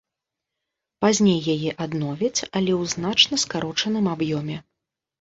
Пазней яе адновяць, але ў значна скарочаным аб'ёме.